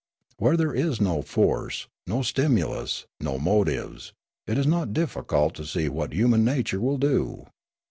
Where there is no force, no stimulus, no mo tives, it is not difficult to see what human nature will do.